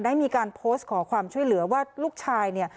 ได้มีการโพสต์ขอความช่วยเหลือว่าลูกชายเนี่ย